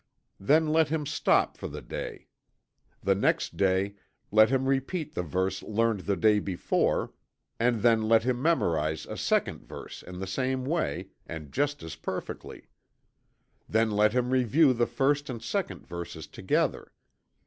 Then let him stop for the day. The next day let him repeat the verse learned the day before, and then let him memorize a second verse in the same way, and just as perfectly. Then let him review the first and second verses together.